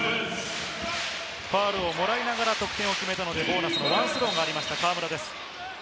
ファウルをもらいながら得点を決めたので、ワンスローがありました河村です。